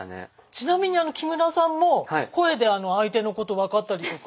ちなみに木村さんも声で相手のこと分かったりとか。